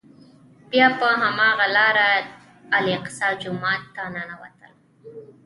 بیا په هماغه لاره الاقصی جومات ته ننوتل.